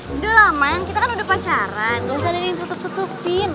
udah lah man kita kan udah pacaran ga usah nulis tutup tutupin